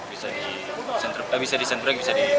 bisa di stopper bisa di sandbrake bisa di back back